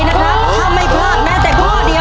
ครับถ้าไม่พรอกแม้แต่ป้อนเดียว